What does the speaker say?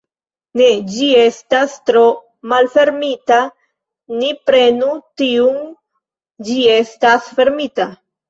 Ne, ĝi estas tro malfermita, ni prenu tiun, ĝi estas fermita.